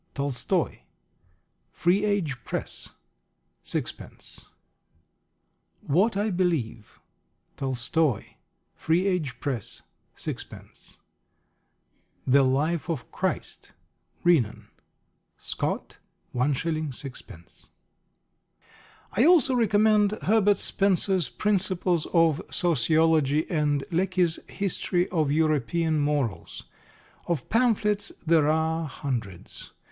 _ Tolstoy. Free Age Press, 6d. What I Believe, Tolstoy. Free Age Press, 6d. The Life of Christ, Renan. Scott, 1s. 6d. I also recommend Herbert Spencer's Principles of Sociology and Lecky's History of European Morals. Of pamphlets there are hundreds.